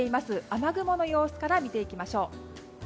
雨雲の様子から見ていきましょう。